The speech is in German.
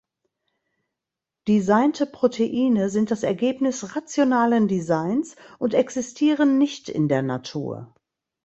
Designte Proteine sind das Ergebnis rationalen Designs und existieren nicht in der Natur.